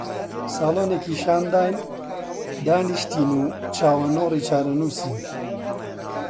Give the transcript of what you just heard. ساڵۆنێکی شان داین، دانیشتین و چاوەنۆڕی چارەنووسین